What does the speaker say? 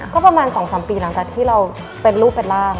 ก็ประมาณ๒๓ปีหลังจากที่เราเป็นรูปเป็นร่าง